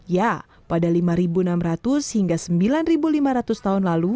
ya pada lima enam ratus hingga sembilan lima ratus tahun lalu